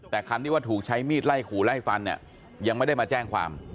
แต่คันที่ว่าถูกใช้มีดไล่ขู่ไล่ฟันเนี่ยยังไม่ได้มาแจ้งความ